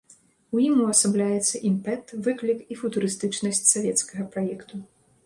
У ім увасабляецца імпэт, выклік і футурыстычнасць савецкага праекту.